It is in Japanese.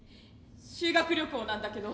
修学旅行なんだけど。